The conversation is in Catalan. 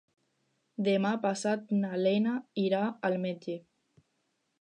Demà passat na Lena irà al metge.